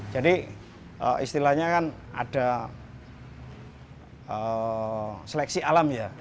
jadi istilahnya kan ada seleksi alam ya